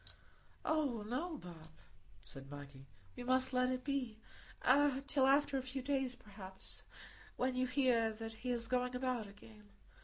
"Oh no, Bob," said Maggie, "we must let it be,—till after a few days, perhaps, when you hear that he is going about again.